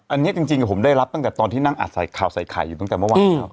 อันนี้จริงผมได้รับตั้งแต่ตอนที่นั่งอัดใส่ข่าวใส่ไข่อยู่ตั้งแต่เมื่อวานแล้ว